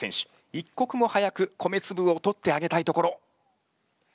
一刻も早く米つぶを取ってあげたいところ。